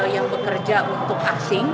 yang bekerja untuk asing